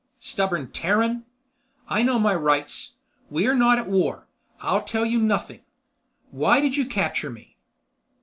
"Stubborn Terran!" "I know my rights. We are not at war. I'll tell you nothing. Why did you capture me?"